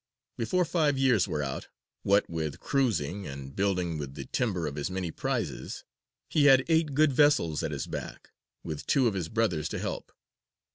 Before five years were out, what with cruising, and building with the timber of his many prizes, he had eight good vessels at his back, with two of his brothers to help.